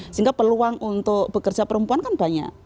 sehingga peluang untuk bekerja perempuan kan banyak